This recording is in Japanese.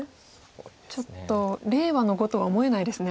ちょっと令和の碁とは思えないですね。